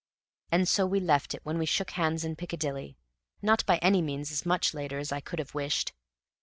And so we left it when we shook hands in Picadilly not by any means as much later as I could have wished.